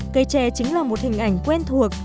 cây tre chính là một hình ảnh quen thuộc